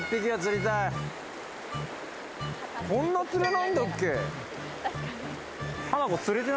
こんな釣れないんだっけ？